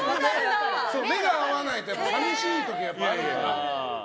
目が合わないと寂しい時がある。